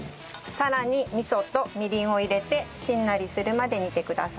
さらに味噌とみりんを入れてしんなりするまで煮てください。